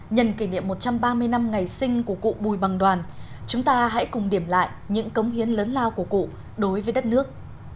nhân kỷ niệm một trăm ba mươi năm ngày sinh của cụ bùi bằng đoàn chúng ta hãy cùng điểm lại những cống hiến lớn lao của cụ đối với đất nước